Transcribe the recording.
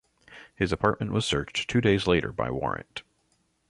His apartment was searched two days later by warrant.